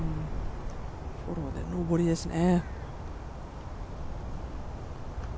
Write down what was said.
フォローで上りですね。